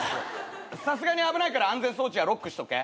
さすがに危ないから安全装置はロックしとけ。